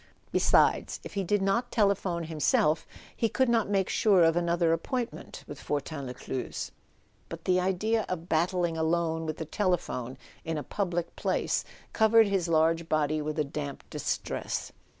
Besides, if he did not telephone himself he could not make sure of another appointment with Fortin Les cluze. But the idea of battling alone with the telephone in a public place covered his large body with a damp distress.